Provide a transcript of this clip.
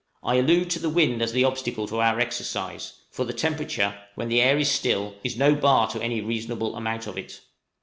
I allude to the wind as the obstacle to our exercise; for temperature, when the air is still, is no bar to any reasonable amount of it.